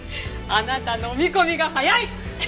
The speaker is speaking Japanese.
あなた飲み込みが早い！